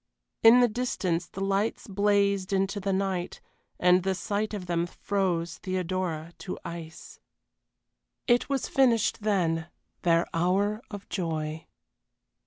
In the distance the lights blazed into the night, and the sight of them froze Theodora to ice. It was finished then their hour of joy.